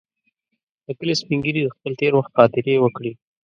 د کلي سپین ږیري د خپل تېر وخت خاطرې وکړې.